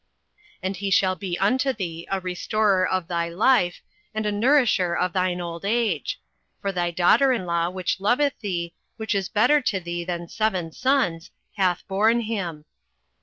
08:004:015 And he shall be unto thee a restorer of thy life, and a nourisher of thine old age: for thy daughter in law, which loveth thee, which is better to thee than seven sons, hath born him.